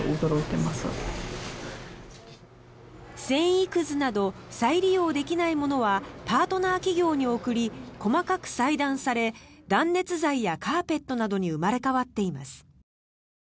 繊維くずなど再利用できないものはパートナー企業に送り細かく裁断され断熱材やカーペットなどに生まれ変わっています。